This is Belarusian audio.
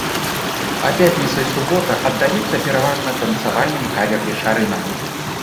А пятніца і субота аддаюцца пераважна танцавальным кавер-вечарынам.